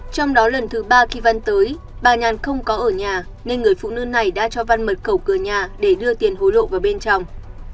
trong đó lần thứ ba kỳ văn tới bà nhàn không có ở nhà nên người phụ nữ này đã cho văn mở cầu cửa nhà để đưa tiền hối lộ vào bên trong